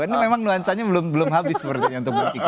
ini memang nuansanya belum belum habis sepertinya untuk bu ciko